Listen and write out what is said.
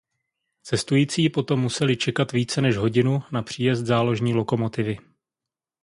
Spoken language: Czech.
Cestující potom museli čekat více než hodinu na příjezd záložní lokomotivy.